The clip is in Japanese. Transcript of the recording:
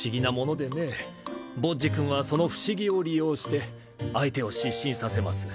ボッジ君はその不思議を利用して相手を失神させます。